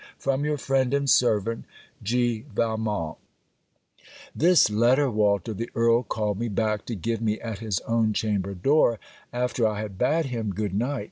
From Your friend and servant, 'G. VALMONT' This letter, Walter, the Earl called me back to give me at his own chamber door, after I had bade him good night.